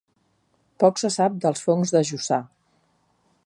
Poc se sap dels fongs de Jussà.